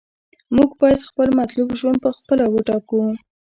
موږ باید خپل مطلوب ژوند په خپله وټاکو.